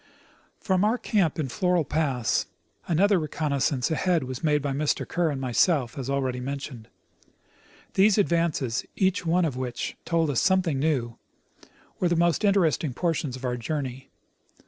From our camp in Floral pass another reconnoissance ahead was made by Mr. Kerr and myself, as already mentioned. These advances, each one of which told us something new, were the most interesting portions of our journey.